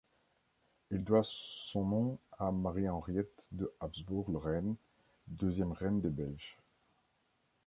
Elle doit son nom à Marie-Henriette de Habsbourg-Lorraine, deuxième reine des belges.